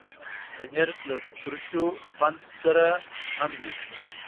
پنېر له ترشو خوند سره هم وي.